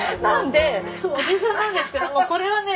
お弟子さんなんですけどもこれはね